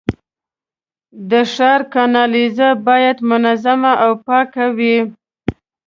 د ښار کانالیزه باید منظمه او پاکه وي.